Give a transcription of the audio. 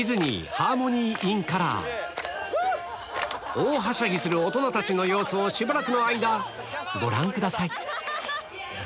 大はしゃぎする大人たちの様子をしばらくの間ご覧ください